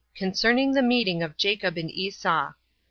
Concerning The Meeting Of Jacob And Esau.